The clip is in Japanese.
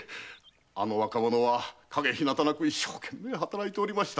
あの若者は陰ひなたなく一生懸命働いておりました。